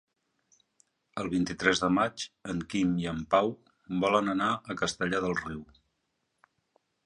El vint-i-tres de maig en Quim i en Pau volen anar a Castellar del Riu.